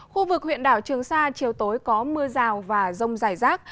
khu vực huyện đảo trường sa chiều tối có mưa rào và rông dài rác